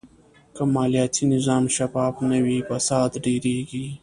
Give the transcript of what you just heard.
که مالیاتي نظام شفاف نه وي، فساد ډېرېږي.